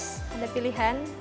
sebenernya ada pilihan